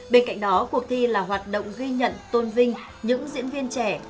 bên cạnh đó cuộc thi là hoạt động ghi nhận tôn vinh những diễn viên trẻ